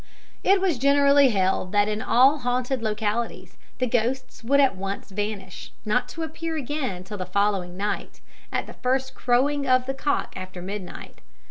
It was generally held that in all haunted localities the ghosts would at once vanish not to appear again till the following night at the first crowing of the cock after midnight.